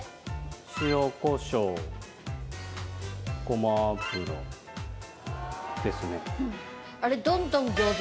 塩こしょうごま油ですね。